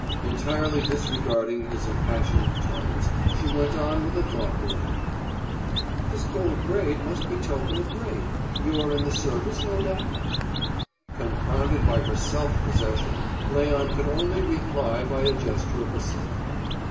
Entirely disregarding his impassioned tones, she went on with a thoughtful air: "This gold braid must betoken a grade. You are in the service, no doubt?" Confounded by her self possession, Léon could only reply by a gesture of assent.